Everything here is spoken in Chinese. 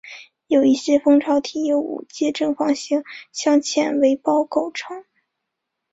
有一些蜂巢体由五阶正方形镶嵌为胞构成